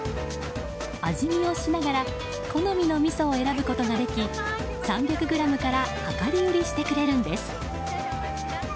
味見をしながら好みのみそを選ぶことができ３００ｇから量り売りしてくれるんです。